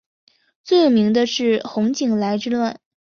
最有名是洪景来之乱。